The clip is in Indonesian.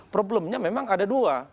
problemnya memang ada dua